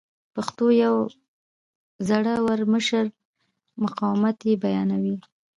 د پښتنو یو زړه ور مشر مقاومت یې بیانوي.